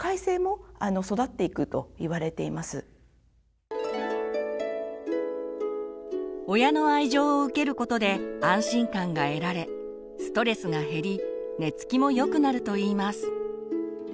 それが順調に育っていけば親の愛情を受けることで安心感が得られストレスが減り寝つきもよくなるといいます。